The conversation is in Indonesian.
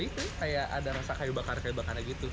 seperti ada rasa kayu bakar kayu bakarnya gitu